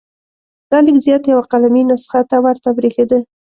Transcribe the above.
دا لیک زیات یوه قلمي نسخه ته ورته بریښېده.